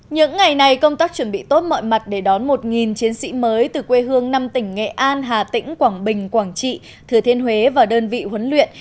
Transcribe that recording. những ngày này công tác chuẩn bị tốt mọi mặt để đón một chiến sĩ mới từ quê hương năm tỉnh nghệ an hà tĩnh quảng bình quảng trị thừa thiên huế và đơn vị huấn luyện